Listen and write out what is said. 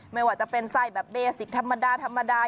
ไม่ว่าจะเป็นไส้แบบเบสิกธรรมดาธรรมดา